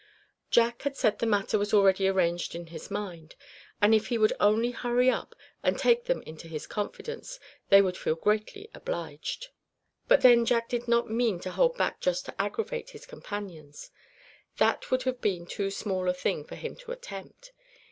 Jack had said the matter was already arranged in his mind; and if he would only hurry up and take them into his confidence, they would feel greatly obliged. But then Jack did not mean to hold back just to aggravate his companions; that would have been too small a thing for him to attempt.